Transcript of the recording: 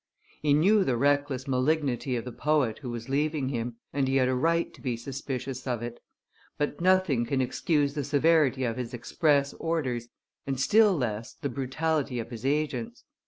He knew the reckless malignity of the poet who was leaving him, and he had a right to be suspicious of it; but nothing can excuse the severity of his express orders, and still less the brutality of his agents.